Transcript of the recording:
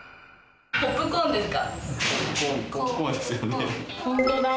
ポップコーンですか？